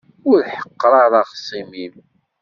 Ur ḥeqqeṛ ara axṣim-im.